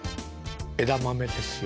枝豆ですよ。